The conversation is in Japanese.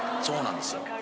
そうなんですよ。